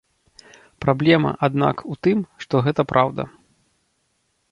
Праблема, аднак, у тым, што гэта праўда.